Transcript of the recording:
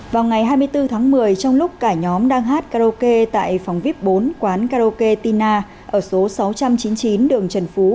vào ngày hai mươi bốn tháng một mươi trong lúc cả nhóm đang hát karaoke tại phòng vip bốn quán karaoke tinna ở số sáu trăm chín mươi chín đường trần phú